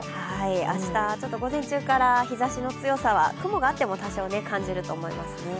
明日、午前中から日ざしの強さは雲があっても多少、感じると思います